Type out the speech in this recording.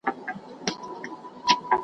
توتکۍ خبره راوړله پر شونډو .